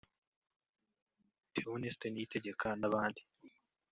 Theoneste Niyitegeka n’abandi